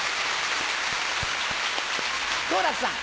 好楽さん。